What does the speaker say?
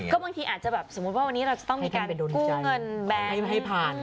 บางทีอาจจะแบบสมมุติว่าวันนี้เราจะต้องมีการกู้เงินแบงค์ให้ผ่าน